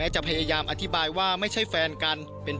ช่วยเร่งจับตัวคนร้ายให้ได้โดยเร่ง